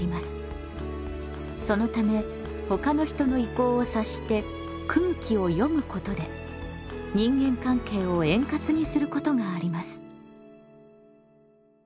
そのためほかの人の意向を察して「空気を読む」ことで人間関係を円滑にすることがあります。